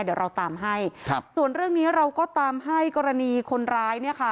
เดี๋ยวเราตามให้ส่วนเรื่องนี้เราก็ตามให้กรณีคนร้าย